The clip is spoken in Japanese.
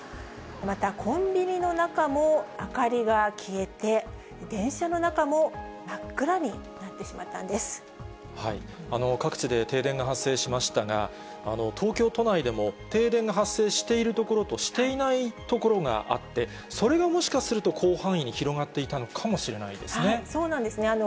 また、コンビニの中も明かりが消えて、電車の中も、各地で停電が発生しましたが、東京都内でも停電が発生している所としていない所があって、それがもしかすると、広範囲に広がっていたのかもしれませんね。